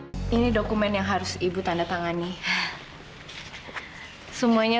sampai jumpa di video selanjutnya